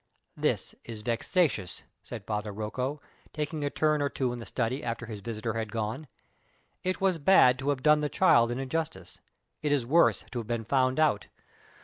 "This is vexatious," said Father Rocco, taking a turn or two in the study after his visitor had gone. "It was bad to have done the child an injustice it is worse to have been found out.